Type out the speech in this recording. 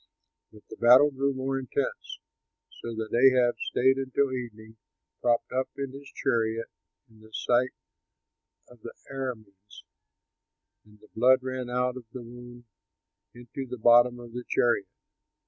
But the battle grew more intense, so that Ahab stayed until evening propped up in his chariot in the sight of the Arameans, and the blood ran out of the wound into the bottom of the chariot.